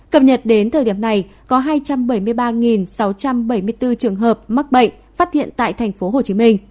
cập nhật đến thời điểm này có hai trăm bảy mươi ba sáu trăm bảy mươi bốn trường hợp mắc bệnh phát hiện tại tp hcm